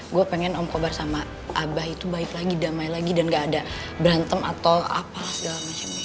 gue pengen om kobar sama abah itu baik lagi damai lagi dan gak ada berantem atau apa segala macam